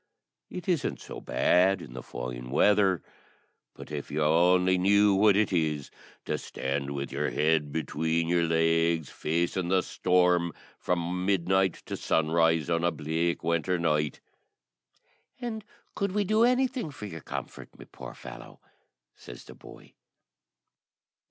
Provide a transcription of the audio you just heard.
It isn't so bad in the fine weather; but if you only knew what it is to stand with your head between your legs, facing the storm, from midnight to sunrise, on a bleak winter night." "And could we do anything for your comfort, my poor fellow?" says the boy.